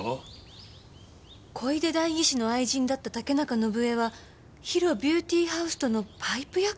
小出代議士の愛人だった竹中伸枝はＨＩＲＯビューティーハウスとのパイプ役？